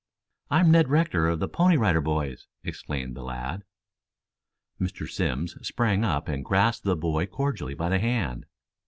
"I am Ned Rector of the Pony Rider Boys," explained the lad. Mr. Simms sprang up and grasped the boy cordially by the hand.